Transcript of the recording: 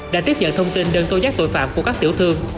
đã tiếp nhận thông tin đơn tố giác tội phạm của các tiểu thương